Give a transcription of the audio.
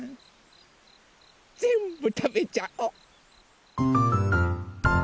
ぜんぶたべちゃお！